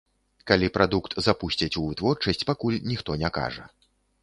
Калі прадукт запусцяць у вытворчасць, пакуль ніхто не кажа.